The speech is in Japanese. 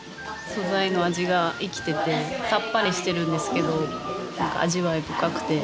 素材の味が生きててサッパリしてるんですけど味わい深くて。